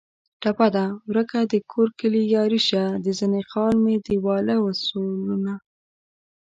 ټپه ده: ورکه دکور کلي یاري شه د زنې خال مې دېواله و سولونه